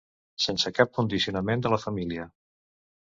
Sense cap condicionament de la família.